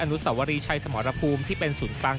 นุสวรีชัยสมรภูมิที่เป็นศูนย์กลาง